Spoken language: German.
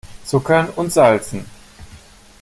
Zuckern und Salzen!